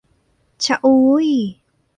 ชะอุ๋ยส์